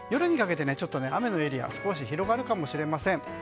夜にかけて雨のエリアが広がるかもしれません。